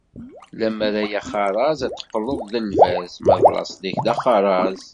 Lemmer ay axerraz ad teqleḍ d lbaz, ma d laṣel-ik d axerraz.